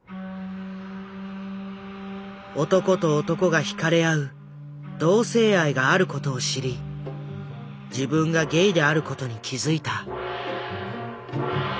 男と男が惹かれ合う同性愛がある事を知り自分がゲイである事に気付いた。